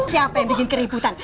siapa yang bikin keributan